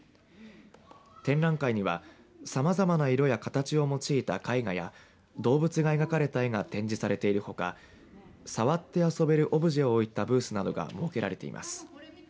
展覧会にはさまざまな色や形を用いた絵画や動物が描かれた絵が展示されているほか触って遊べるオブジェを置いたブースなどが設けられています。